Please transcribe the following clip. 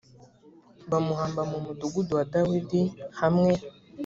bamuhamba mu mudugudu wa dawidi hamwe